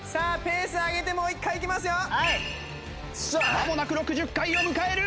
まもなく６０回を迎える。